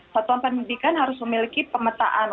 satuan pendidikan harus memiliki pemetaan